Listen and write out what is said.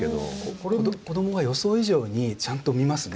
これ子どもが予想以上にちゃんと見ますね。